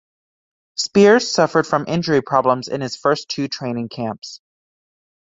Spears suffered from injury problems in his first two training camps.